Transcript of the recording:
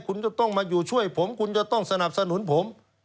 คุณจะต้องมาอยู่ช่วยผมคุณจะต้องสนับสนุนผม